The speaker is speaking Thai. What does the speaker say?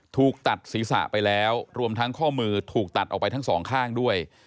ถูกตัดศีรษะไปแล้วรวมทั้งข้อมือถูกตัดออกไปทั้งสองข้างด้วย